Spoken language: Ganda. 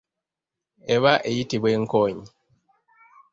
Eba eyitibwa enkoonyi.